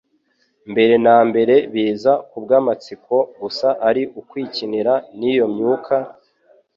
Mbere na mbere biza ku bw'amatsiko gusa ari ukwikinira n'iyo myuka,